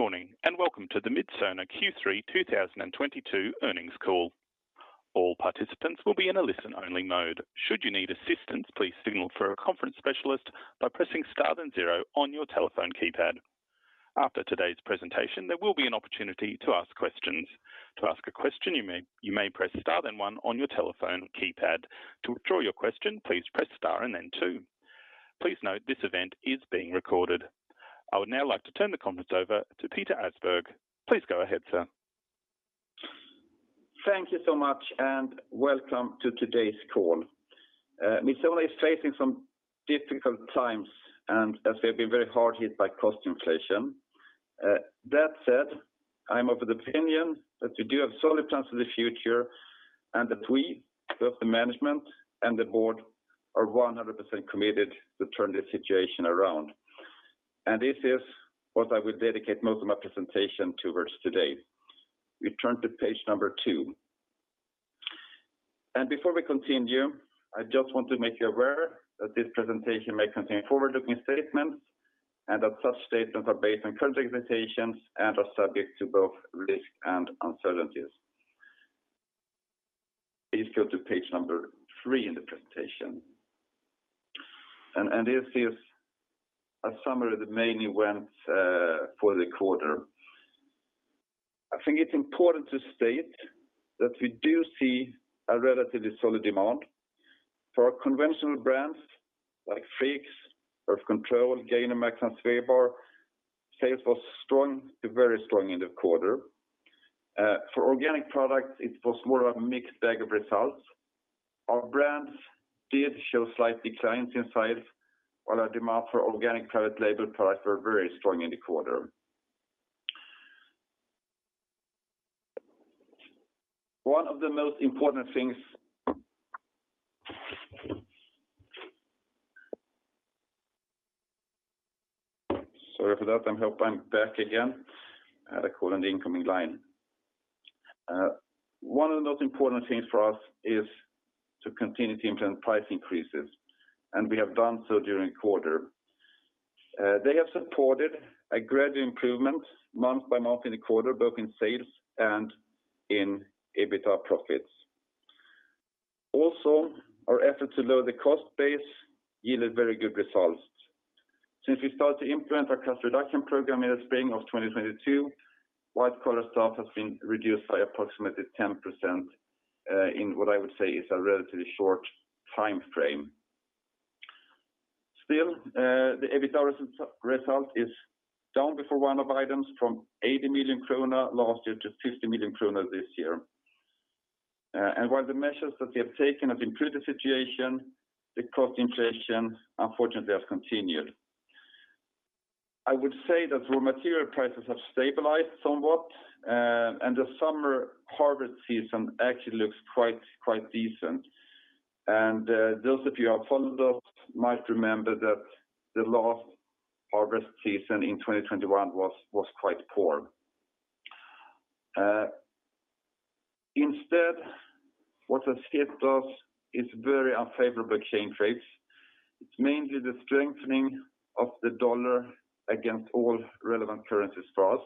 Good morning, and welcome to the Midsona Q3 2022 earnings call. All participants will be in a listen only mode. Should you need assistance, please signal for a conference specialist by pressing Star and 0 on your telephone keypad. After today's presentation, there will be an opportunity to ask questions. To ask a question, you may press Star then 1 on your telephone keypad. To withdraw your question, please press Star and then 2. Please note this event is being recorded. I would now like to turn the conference over to Peter Åsberg. Please go ahead, Sir. Thank you so much, and welcome to today's call. Midsona is facing some difficult times and as we have been very hard hit by cost inflation. I'm of the opinion that we do have solid plans for the future and that we, both the management and the board, are 100% committed to turn this situation around. This is what I will dedicate most of my presentation towards today. We turn to page 2. Before we continue, I just want to make you aware that this presentation may contain forward-looking statements and that such statements are based on current expectations and are subject to both risk and uncertainties. Please go to page 3 in the presentation. This is a summary of the main events for the quarter. I think it's important to state that we do see a relatively solid demand for our conventional brands like Friggs, Earth Control, Gainomax, and Svebar. Sales was strong to very strong in the quarter. For organic products, it was more of a mixed bag of results. Our brands did show slight declines in sales, while our demand for organic private label products were very strong in the quarter. One of the most important things for us is to continue to implement price increases, and we have done so during the quarter. They have supported a gradual improvement month by month in the quarter, both in sales and in EBITDA profits. Also, our effort to lower the cost base yielded very good results. Since we started to implement our cost reduction program in the spring of 2022, white-collar staff has been reduced by approximately 10%, in what I would say is a relatively short timeframe. Still, the EBITDA result is down before one-off items from 80 million kronor last year to 50 million kronor this year. While the measures that we have taken have improved the situation, the cost inflation unfortunately has continued. I would say that raw material prices have stabilized somewhat, and the summer harvest season actually looks quite decent. Those of you who have followed us might remember that the last harvest season in 2021 was quite poor. Instead, what has hit us is very unfavorable exchange rates. It's mainly the strengthening of the dollar against all relevant currencies for us.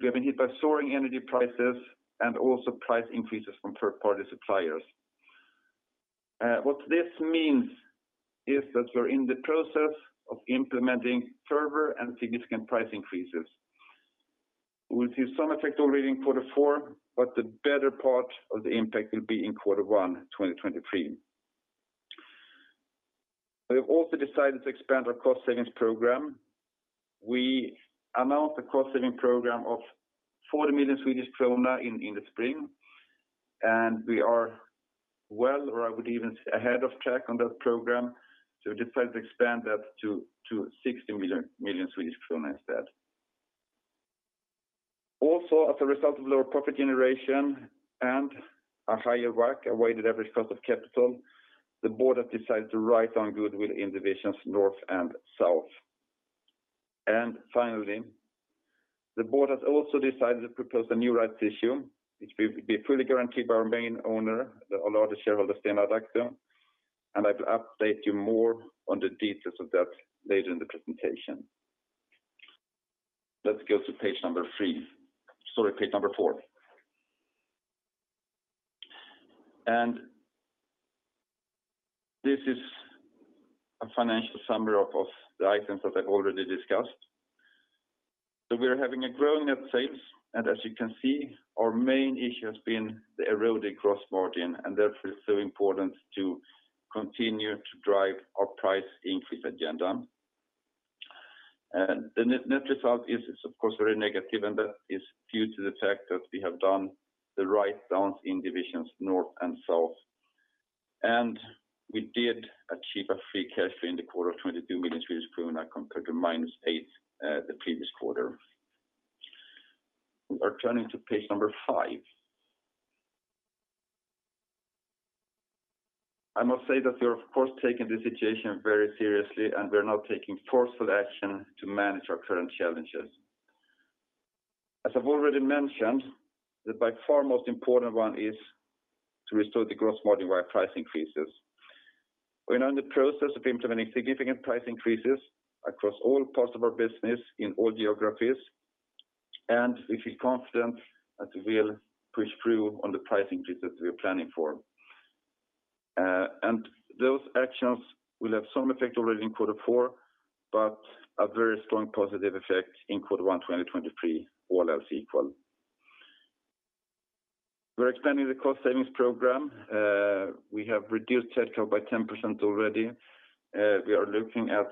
We have been hit by soaring energy prices and also price increases from third-party suppliers. What this means is that we're in the process of implementing further and significant price increases. We'll see some effect already in quarter four, but the better part of the impact will be in quarter one, 2023. We have also decided to expand our cost savings program. We announced a cost-saving program of 40 million Swedish kronor in the spring, and we are well, or I would even say ahead of track on that program. We decided to expand that to 60 million instead. Also, as a result of lower profit generation and a higher WACC, a weighted average cost of capital, the board has decided to write down goodwill in divisions North and South. Finally, the board has also decided to propose the new rights issue, which will be fully guaranteed by our main owner, the largest shareholder, Stena Adactum. I will update you more on the details of that later in the presentation. Let's go to page number 3. Sorry, page number 4. This is a financial summary of the items that I've already discussed. We're having a growing net sales, and as you can see, our main issue has been the eroding gross margin, and therefore it's so important to continue to drive our price increase agenda. The net result is of course very negative, and that is due to the fact that we have done the write-downs in Divisions North and South. We did achieve a free cash flow in the quarter of 22 million Swedish kronor compared to -8 million the previous quarter. We are turning to page number 5. I must say that we're of course taking the situation very seriously, and we're now taking forceful action to manage our current challenges. As I've already mentioned, the by far most important one is to restore the gross margin via price increases. We're now in the process of implementing significant price increases across all parts of our business in all geographies, and we feel confident that we will push through on the price increases we are planning for. Those actions will have some effect already in quarter four, but a very strong positive effect in quarter one 2023, all else equal. We're expanding the cost savings program. We have reduced headcount by 10% already. We are looking at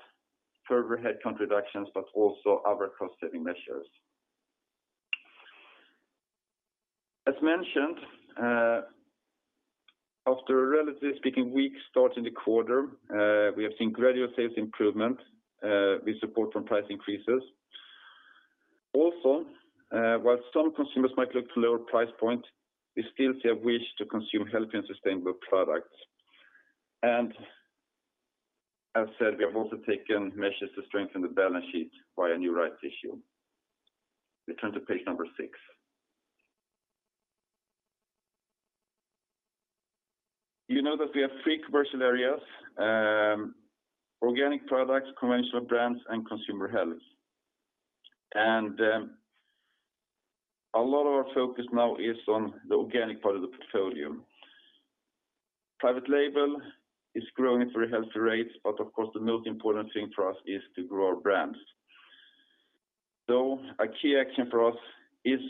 further headcount reductions, but also other cost-saving measures. As mentioned, after a relatively speaking weak start in the quarter, we have seen gradual sales improvement, with support from price increases. Also, while some consumers might look to lower price point, we still see a wish to consume healthy and sustainable products. As said, we have also taken measures to strengthen the balance sheet by a new rights issue. We turn to page number 6. that we have 3 commercial areas, organic products, conventional brands, and consumer health. A lot of our focus now is on the organic part of the portfolio. Private label is growing at very healthy rates, but of course, the most important thing for us is to grow our brands. A key action for us is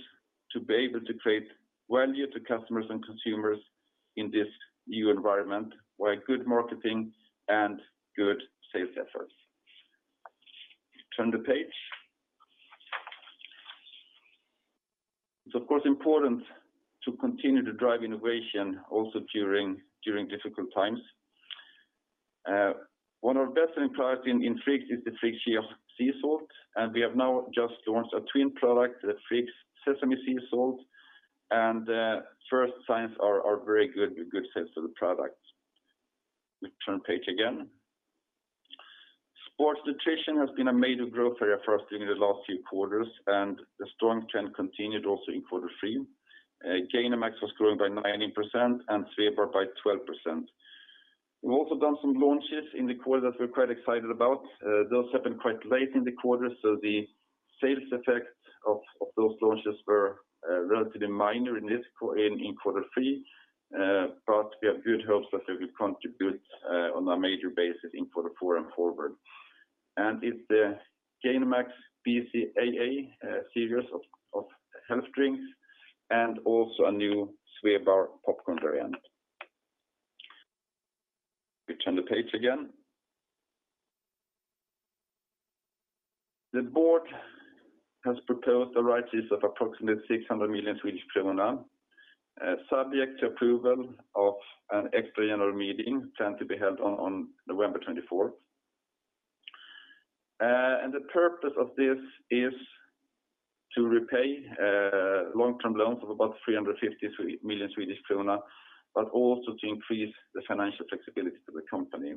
to be able to create value to customers and consumers in this new environment, via good marketing and good sales efforts. Turn the page. It's of course important to continue to drive innovation also during difficult times. One of our best-selling products in Friggs is the Friggs Sea Salt, and we have now just launched a twin product, the Friggs Sesame Sea Salt, and first signs are very good with good sales for the product. We turn page again. Sports nutrition has been a major growth area for us during the last few quarters, and the strong trend continued also in quarter three. Gainomax was growing by 19% and Svebar by 12%. We've also done some launches in the quarter that we're quite excited about. Those happened quite late in the quarter, so the sales effect of those launches were relatively minor in this quarter three. We have good hopes that they will contribute on a major basis in quarter four and forward. It's the Gainomax BCAA series of health drinks and also a new Svebar popcorn variant. We turn the page again. The board has proposed a rights issue of approximately 600 million Swedish kronor, subject to approval of an extraordinary general meeting planned to be held on November twenty-fourth. The purpose of this is to repay long-term loans of about 350 million Swedish krona, but also to increase the financial flexibility to the company.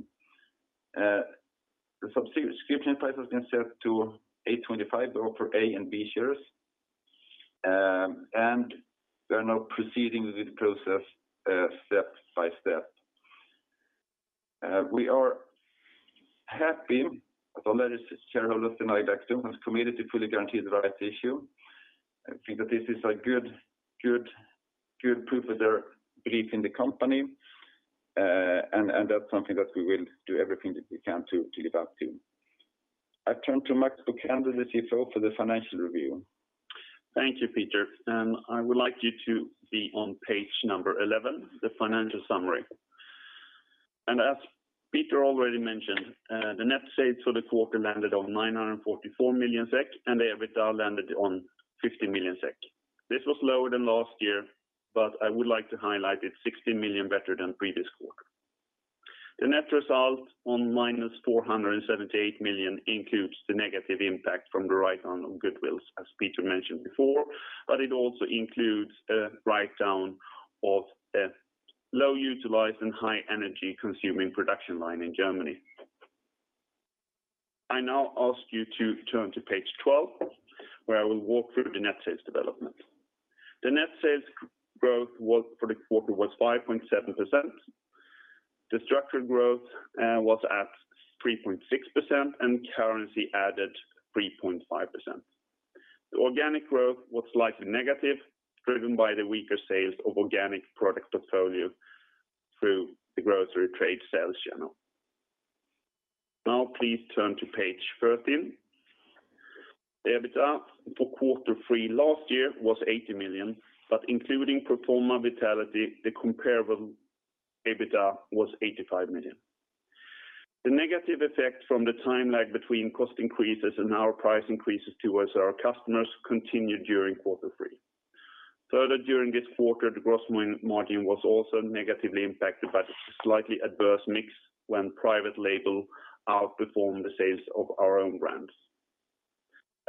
The subscription price has been set to 825 both for A and B shares, and we are now proceeding with the process, step by step. We are happy that the largest shareholders in Stena Adactum have committed to fully guarantee the rights issue. I think that this is a good proof of their belief in the company, and that's something that we will do everything that we can to live up to. I turn to Max Bokander, the CFO, for the financial review. Thank you, Peter. I would like you to be on page 11, the financial summary. As Peter already mentioned, the net sales for the quarter landed on 944 million SEK, and the EBITDA landed on 50 million SEK. This was lower than last year, but I would like to highlight it's 60 million better than previous quarter. The net result of -478 million includes the negative impact from the write-down of goodwill, as Peter mentioned before, but it also includes a write-down of a low-utilized and high-energy-consuming production line in Germany. I now ask you to turn to page 12, where I will walk through the net sales development. The net sales growth for the quarter was 5.7%. The structured growth was at 3.6%, and currency added 3.5%. The organic growth was slightly negative, driven by the weaker sales of organic product portfolio through the grocery trade sales channel. Now please turn to page 13. The EBITDA for quarter three last year was 80 million, but including pro forma Vitality, the comparable EBITDA was 85 million. The negative effect from the time lag between cost increases and our price increases towards our customers continued during quarter three. Further, during this quarter, the gross margin was also negatively impacted by the slightly adverse mix when private label outperformed the sales of our own brands.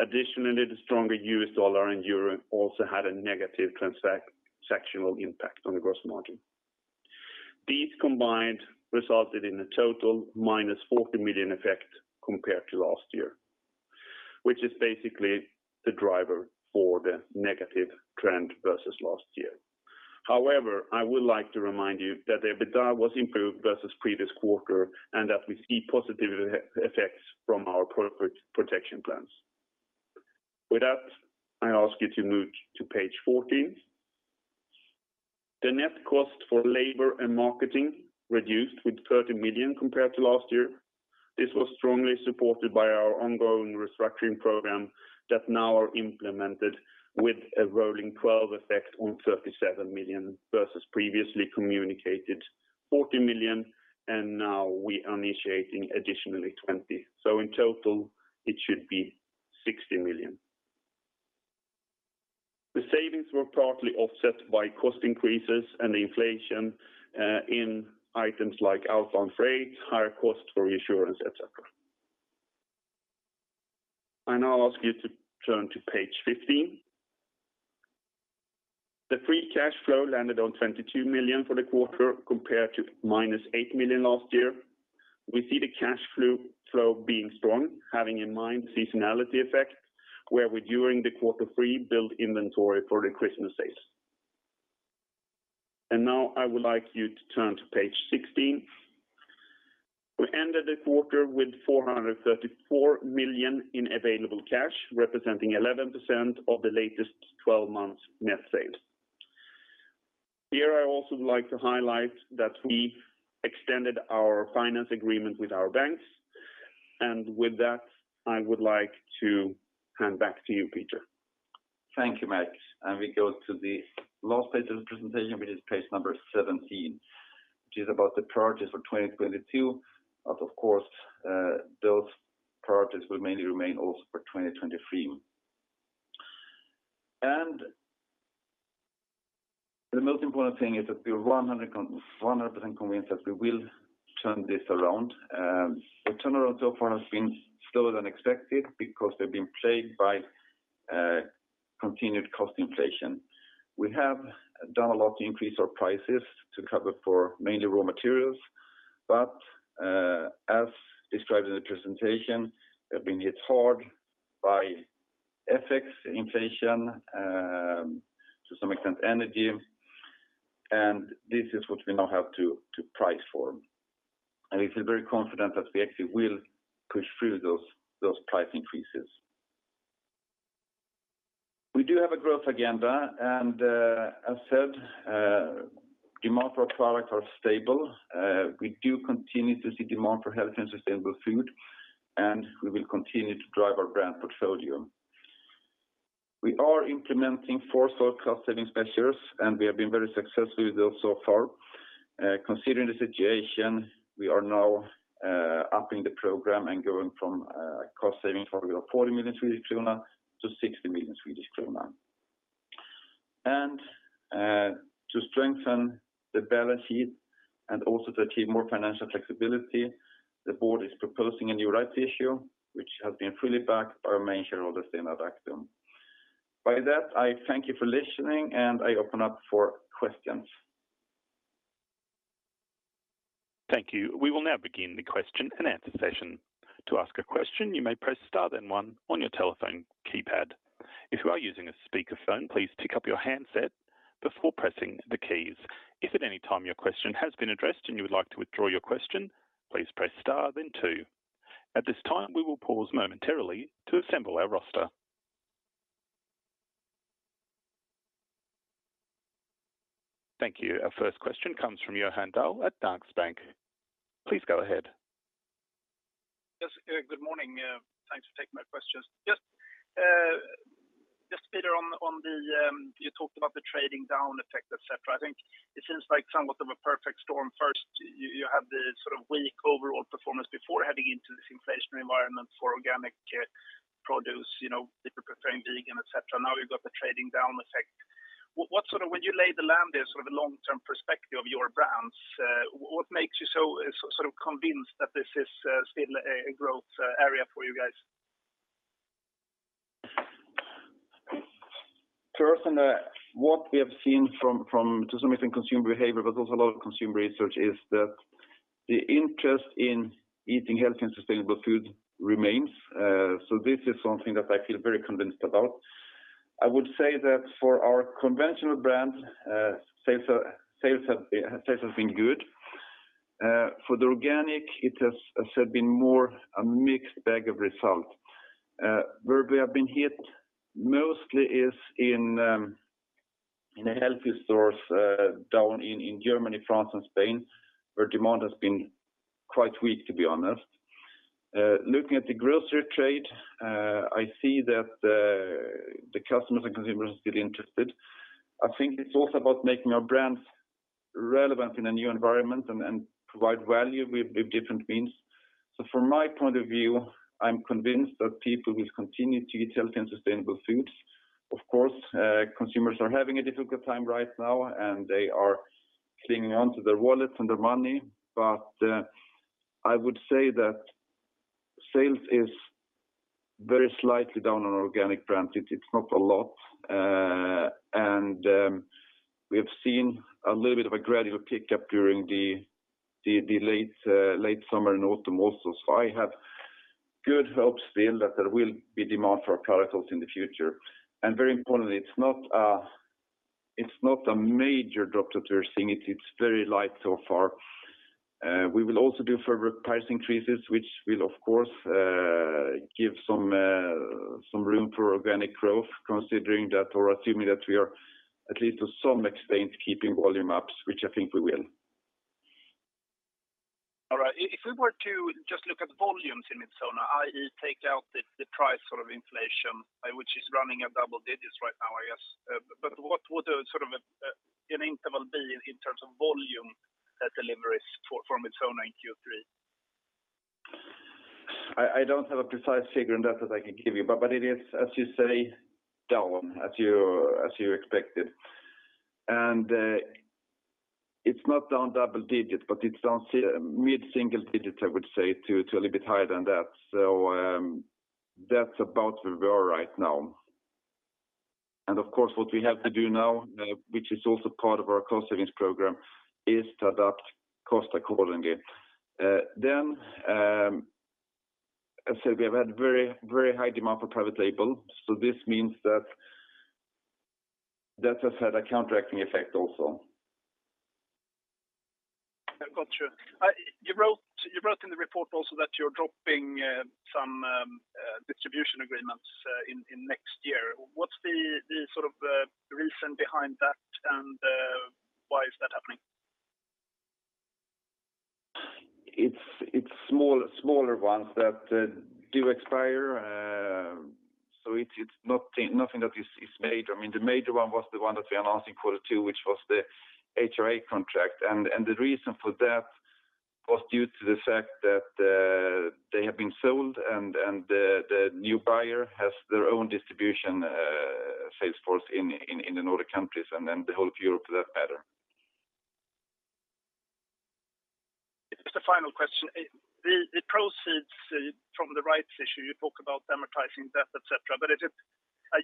Additionally, the stronger US dollar and euro also had a negative transactional impact on the gross margin. These combined resulted in a total -40 million effect compared to last year, which is basically the driver for the negative trend versus last year. However, I would like to remind you that the EBITDA was improved versus previous quarter and that we see positive effects from our product protection plans. With that, I ask you to move to page 14. The net cost for labor and marketing reduced with 30 million compared to last year. This was strongly supported by our ongoing restructuring program that now are implemented with a rolling twelve effect on 37 million versus previously communicated 40 million, and now we initiating additionally 20 million. So in total, it should be 60 million. The savings were partly offset by cost increases and inflation in items like outbound freight, higher cost for insurance, et cetera. I now ask you to turn to page 15. The free cash flow landed on 22 million for the quarter compared to -8 million last year. We see the cash flow being strong, having in mind seasonality effect, where we, during quarter three, build inventory for the Christmas days. Now I would like you to turn to page 16. We ended the quarter with 434 million in available cash, representing 11% of the latest 12 months net sales. Here, I also like to highlight that we extended our finance agreement with our banks. With that, I would like to hand back to you, Peter Åsberg. Thank you, Max. We go to the last page of the presentation, which is page number 17, which is about the priorities for 2022. Of course, those priorities will mainly remain also for 2023. The most important thing is that we're 100% convinced that we will turn this around. The turnaround so far has been slower than expected because we've been plagued by continued cost inflation. We have done a lot to increase our prices to cover for mainly raw materials. As described in the presentation, we have been hit hard by FX inflation, to some extent energy, and this is what we now have to price for. We feel very confident that we actually will push through those price increases. We do have a growth agenda and, as said, demand for our products are stable. We do continue to see demand for healthy and sustainable food, and we will continue to drive our brand portfolio. We are implementing forceful cost-saving measures, and we have been very successful with those so far. Considering the situation, we are now upping the program and going from cost saving target of 40 million Swedish krona to 60 million Swedish krona. To strengthen the balance sheet and also to achieve more financial flexibility, the board is proposing a new rights issue, which has been fully backed by our main shareholder, Stena Adactum. With that, I thank you for listening, and I open up for questions. Thank you. We will now begin the question and answer session. To ask a question, you may press star then 1 on your telephone keypad. If you are using a speaker phone, please pick up your handset before pressing the keys. If at any time your question has been addressed and you would like to withdraw your question, please press star then 2. At this time, we will pause momentarily to assemble our roster. Thank you. Our first question comes from Johan Dahl at Danske Bank. Please go ahead. Good morning. Thanks for taking my questions. Just Peter, you talked about the trading down effect, et cetera. I think it seems like somewhat of a perfect storm. First, you had the weak overall performance before heading into this inflationary environment for organic produce, people preferring vegan, et cetera. Now you've got the trading down effect. When you lay of the land there, a long-term perspective of your brands, what makes you so convinced that this is still a growth area for you guys? What we have seen from, to some extent, consumer behavior, but also a lot of consumer research is that the interest in eating healthy and sustainable food remains. This is something that I feel very convinced about. I would say that for our conventional brands, sales have been good. For the organic, it has, as said, been more a mixed bag of result. Where we have been hit mostly is in healthy stores down in Germany, France, and Spain, where demand has been quite weak, to be honest. Looking at the grocery trade, I see that the customers and consumers are still interested. I think it's also about making our brands relevant in a new environment and provide value with different means. From my point of view, I'm convinced that people will continue to eat healthy and sustainable foods. Of course, consumers are having a difficult time right now, and they are clinging on to their wallets and their money. I would say that sales is very slightly down on organic brands. It's not a lot. We have seen a little bit of a gradual pickup during the late summer and autumn also. I have good hopes still that there will be demand for our products in the future. Very importantly, it's not a major drop that we're seeing. It's very light so far. We will also do further price increases, which will of course give some room for organic growth considering that or assuming that we are at least to some extent keeping volumes up, which I think we will. All right. If we were to just look at volumes in its own, take out the price inflation, which is running at double digits right now, I guess. But what would a an interval be in terms of volume that deliveries from its own in Q3? I don't have a precise figure on that I can give you, but it is as you say, down as you expected. It's not down double digits, but it's down mid-single digits, I would say, to a little bit higher than that. That's about where we are right now. Of course, what we have to do now, which is also part of our cost savings program, is to adapt cost accordingly. As I said, we have had very high demand for private label, so this means that has had a counteracting effect also. Got you. You wrote in the report also that you're dropping some distribution agreements in next year. What's the reason behind that and why is that happening? It's smaller ones that do expire. It's nothing that is major. I mean, the major one was the one that we announced in quarter two, which was the HRA contract. The reason for that was due to the fact that they have been sold and the new buyer has their own distribution sales force in the Nordic countries, and then the whole of Europe for that matter. Just a final question. The proceeds from the rights issue, you talk about amortizing debt, et cetera.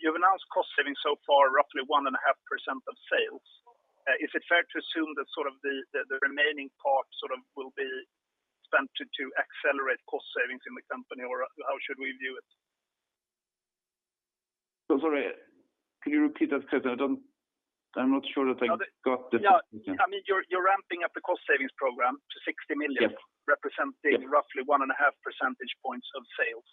You've announced cost savings so far, roughly 1.5% of sales. Is it fair to assume that the remaining part will be spent to accelerate cost savings in the company? Or how should we view it? Sorry, can you repeat that? Because I don't, I'm not sure that I got the question. No. I mean, you're ramping up the cost savings program to 60 million. representing roughly 1.5 percentage points of sales.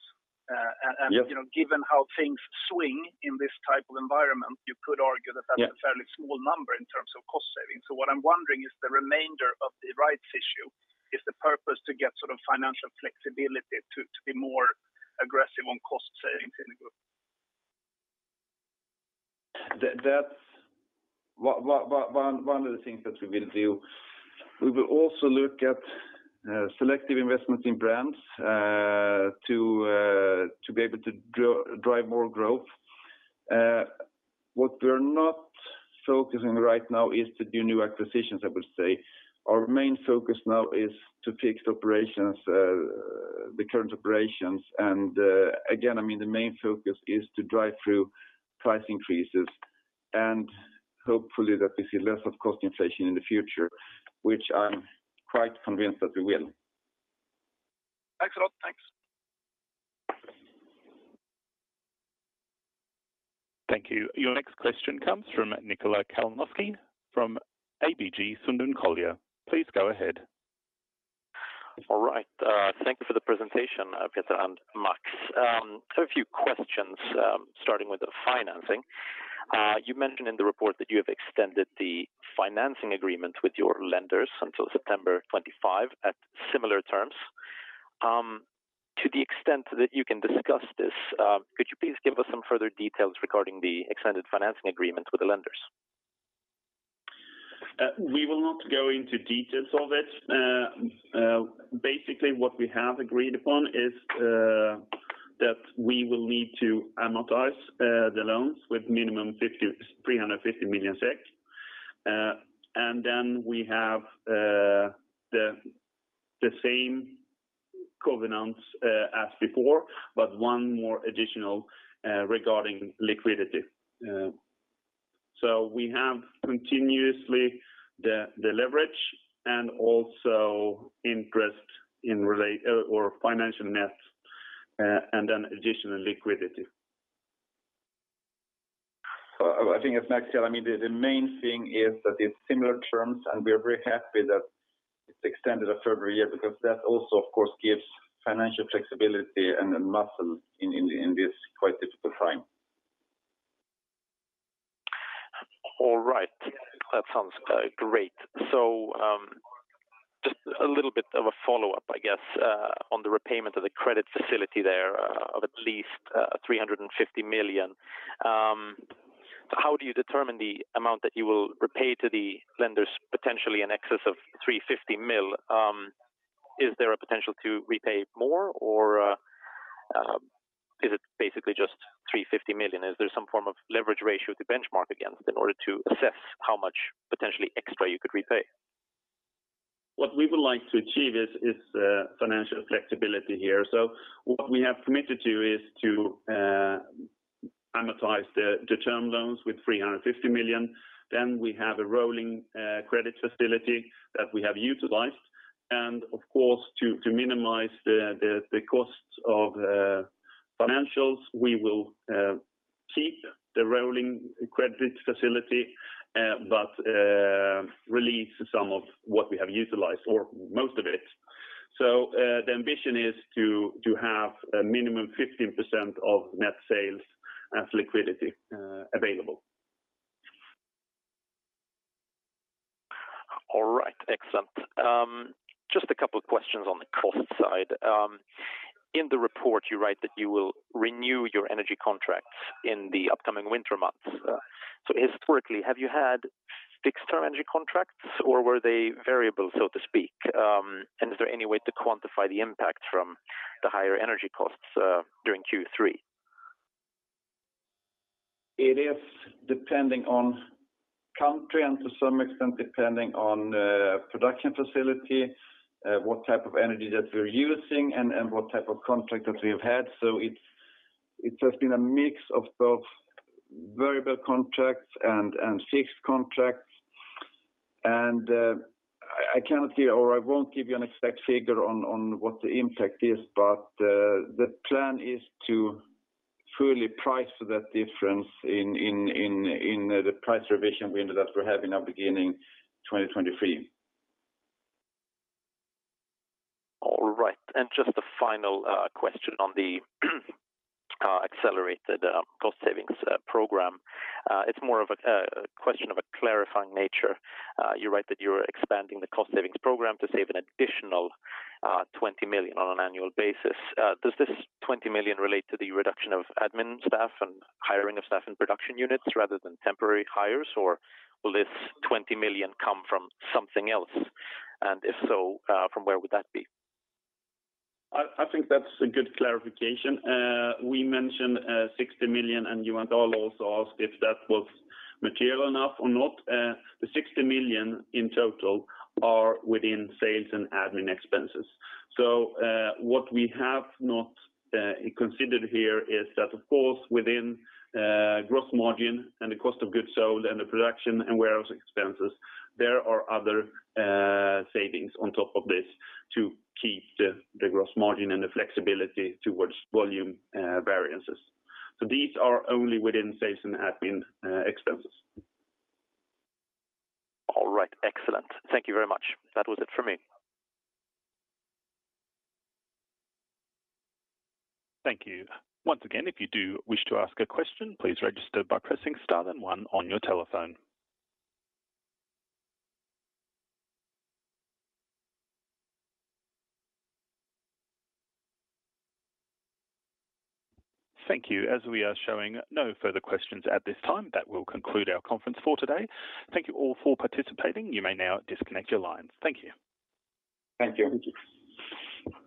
Given how things swing in this type of environment, you could argue that that's. A fairly small number in terms of cost savings. What I'm wondering is the remainder of the rights issue, is the purpose to get financial flexibility to be more aggressive on cost savings in the group? That's one of the things that we will do. We will also look at selective investments in brands to be able to drive more growth. What we're not focusing right now is to do new acquisitions, I would say. Our main focus now is to fix operations, the current operations. Again, I mean, the main focus is to drive through price increases and hopefully that we see less of cost inflation in the future, which I'm quite convinced that we will. Thanks a lot. Thanks. Thank you. Your next question comes from Niklas Kalinowski from ABG Sundal Collier. Please go ahead. All right. Thank you for the presentation, Peter and Max. A few questions, starting with the financing. You mentioned in the report that you have extended the financing agreement with your lenders until September 2025 at similar terms. To the extent that you can discuss this, could you please give us some further details regarding the extended financing agreement with the lenders? We will not go into details of it. Basically, what we have agreed upon is that we will need to amortize the loans with minimum 350 million SEK. We have the same covenants as before, but one more additional regarding liquidity. We have continuously the leverage and also interest or financial net, and then additional liquidity. I think as Max said, I mean, the main thing is that it's similar terms, and we are very happy that it's extended a further year because that also of course gives financial flexibility and muscle in this quite difficult time. All right. That sounds great. Just a little bit of a follow-up, I guess, on the repayment of the credit facility there, of at least 350 million. How do you determine the amount that you will repay to the lenders, potentially in excess of 350 million? Is there a potential to repay more or is it basically just 350 million? Is there some form of leverage ratio to benchmark against in order to assess how much potentially extra you could repay? What we would like to achieve is financial flexibility here. What we have committed to is to Amortize the term loans with 350 million. We have a rolling credit facility that we have utilized. Of course, to minimize the costs of financials, we will keep the rolling credit facility, but release some of what we have utilized or most of it. The ambition is to have a minimum 15% of net sales as liquidity available. All right. Excellent. Just a couple of questions on the cost side. In the report, you write that you will renew your energy contracts in the upcoming winter months. Historically, have you had fixed-term energy contracts, or were they variable, so to speak? Is there any way to quantify the impact from the higher energy costs during Q3? It is depending on country and to some extent, depending on production facility, what type of energy that we're using and what type of contract that we have had. It has been a mix of both variable contracts and fixed contracts. I cannot give or I won't give you an exact figure on what the impact is, but the plan is to truly price that difference in the price revision window that we have in our beginning 2023. All right. Just a final question on the accelerated cost savings program. It's more of a question of a clarifying nature. You write that you're expanding the cost savings program to save an additional 20 million on an annual basis. Does this 20 million relate to the reduction of admin staff and hiring of staff in production units rather than temporary hires, or will this 20 million come from something else? If so, from where would that be? I think that's a good clarification. We mentioned 60 million, and you and all also asked if that was material enough or not. The 60 million in total are within sales and admin expenses. What we have not considered here is that of course, within gross margin and the cost of goods sold and the production and warehouse expenses, there are other savings on top of this to keep the gross margin and the flexibility towards volume variances. These are only within sales and admin expenses. All right. Excellent. Thank you very much. That was it for me. Thank you. Once again, if you do wish to ask a question, please register by pressing star then 1 on your telephone. Thank you. As we are showing no further questions at this time, that will conclude our conference for today. Thank you all for participating. You may now disconnect your lines. Thank you. Thank you. Thank you.